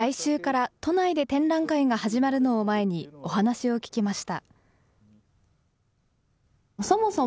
来週から都内で展覧会が始まるのを前に、お話を聞きました。